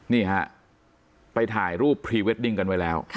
นี่ฮะไปถ่ายรูปพรีเวดดิ้งกันไว้แล้ว